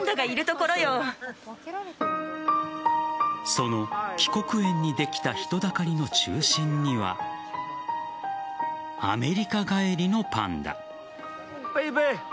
その帰国園にできた人だかりの中心にはアメリカ帰りのパンダ。